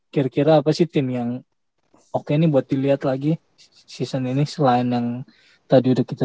kira kira apa sih tim yang oke nih buat dilihat lagi season ini selain yang tadi udah kita